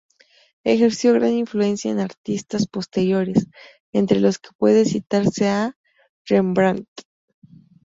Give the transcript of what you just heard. Ejerció gran influencia en artistas posteriores, entre los que puede citarse a Rembrandt.